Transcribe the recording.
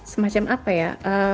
semacam apa ya